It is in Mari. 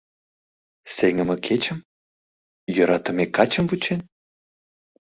Сеҥыме кечым, йӧратыме качым вучен?